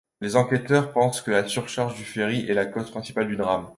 Les enquêteurs pensent que la surcharge du ferry est la cause principale du drame.